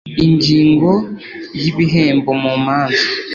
Ingingo ya Ibihembo mu manza